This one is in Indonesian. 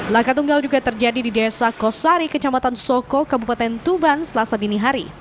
laka tunggal juga terjadi di desa kosari kecamatan soko kabupaten tuban selasa dini hari